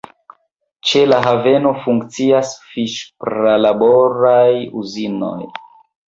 Ĉe la haveno funkcias fiŝ-prilaboraj uzinoj.